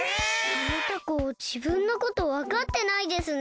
あのタコじぶんのことわかってないですね。